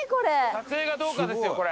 撮影がどうかですよこれ。